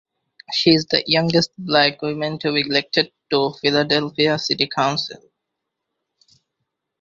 She is the youngest Black woman to be elected to Philadelphia City Council.